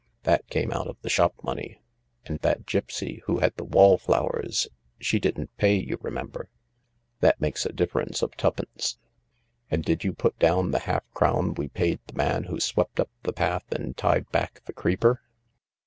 — that came out of the shop money. And that gipsy who had the wallflowers, she didn't pay, you remember — that makes a difference of twopence. And did you put down the half crown we paid the man who swept up the path and tied back the creeper